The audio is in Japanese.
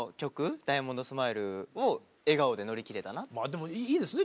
でもいいですね。